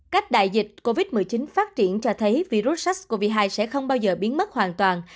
cách đại dịch covid một mươi chín phát triển cho thấy virus sars cov hai sẽ không bao giờ biến mất hoàn toàn